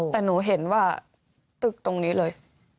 แต่หนูเห็นว่าตึกตรงนี้เลย